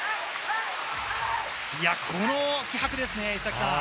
この気迫ですね。